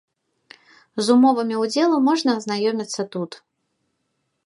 З умовамі ўдзелу можна азнаёміцца тут.